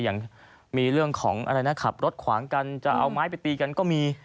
อย่างมีเรื่องของอะไรนะขับรถขวางกันจะเอาไม้ไปตีกันก็มี